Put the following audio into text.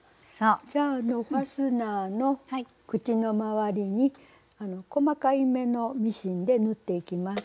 じゃあファスナーの口の周りに細かい目のミシンで縫っていきます。